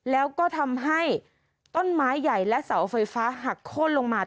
แล้วก็ทำให้ต้นไม้ใหญ่และเสาไฟฟ้าหักโค้นลงมา